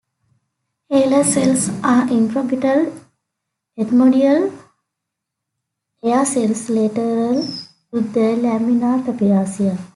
Haller cells are infraorbital ethmoidal air cells lateral to the lamina papyracea.